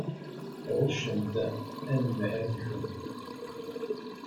Tɣuccemt anemhal-nkent.